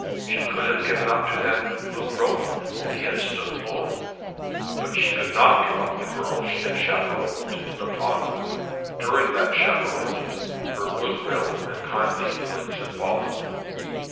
She could have given up to them Luke Rowan, if he had stood alone. But she could not give up the girl she had chaperoned, and upon whom, during that chaperoning, her good will and kindly feelings had fallen.